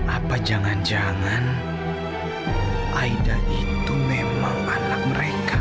apa jangan jangan aida itu memang anak mereka